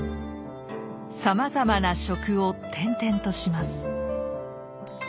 「さまざまな職」を転々とします。